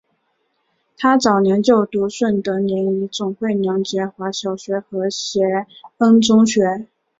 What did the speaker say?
她早年就读顺德联谊总会梁洁华小学和协恩中学。